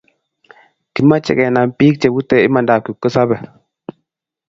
kimache kenam pik che bute imandat kipkosabe